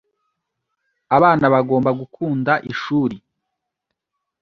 abana bagomba gukunda ishuri